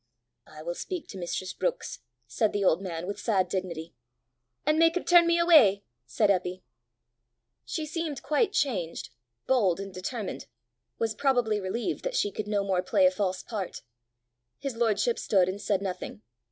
"I will speak to mistress Brookes," said the old man, with sad dignity. "And make her turn me away!" said Eppy. She seemed quite changed bold and determined was probably relieved that she could no more play a false part. His lordship stood and said nothing.